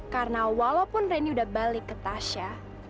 karena walaupun randy udah balik ke tasya